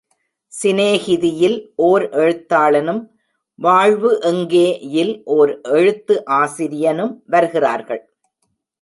சிநேகிதி யில் ஓர் எழுத்தாளனும் வாழ்வு எங்கே? யில் ஓர் எழுத்து ஆசிரியனும் வருகிறார்கள்...!